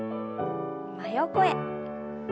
真横へ。